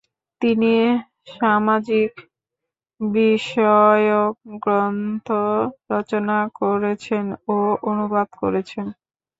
তিনি সামাজিক বিষয়ক গ্রন্থ রচনা করেছেন ও অনুবাদ করেছেন।